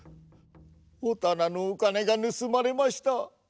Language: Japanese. おたなのお金がぬすまれました。